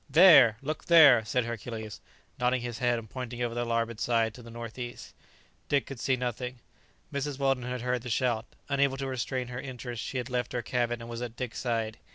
"There! look there!" said Hercules, nodding his head and pointing over the larboard side, to the north east. Dick could see nothing. Mrs. Weldon had heard the shout. Unable to restrain her interest, she had left her cabin and was at Dick's side.